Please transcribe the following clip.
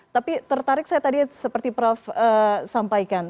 tapi tertarik saya tadi seperti prof sampaikan